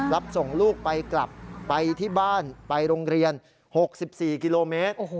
รับส่งลูกไปกลับไปที่บ้านไปโรงเรียน๖๔กิโลเมตร